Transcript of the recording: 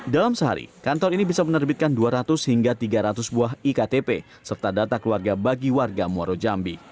dalam sehari kantor ini bisa menerbitkan dua ratus hingga tiga ratus buah iktp serta data keluarga bagi warga muaro jambi